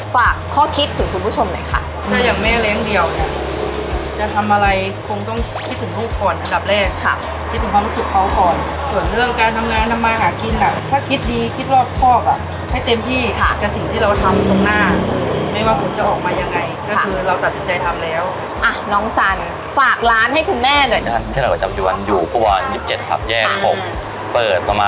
ฝากข้อคิดถึงคุณผู้ชมเลยค่ะ